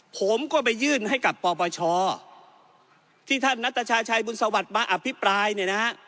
ผมก็ไปยื่นให้กับปปชที่ท่านนัตชาชัยบุญสวัสดิ์มาอภิปรายเนี่ยนะฮะ